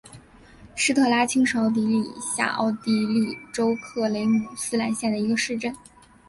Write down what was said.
施特拉青是奥地利下奥地利州克雷姆斯兰县的一个市镇。